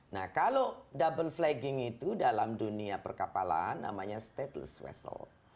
nah kalau double flagging itu dalam dunia perkapalan namanya stateless westl